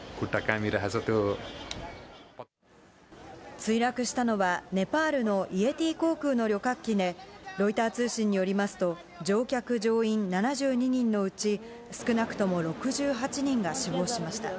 墜落したのは、ネパールのイエティ航空の旅客機で、ロイター通信によりますと、乗客・乗員７２人のうち、少なくとも６８人が死亡しました。